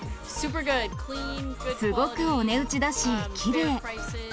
すごくお値打ちだし、きれい。